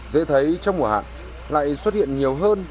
dễ thấy trong mùa hạn lại xuất hiện nhiều hơn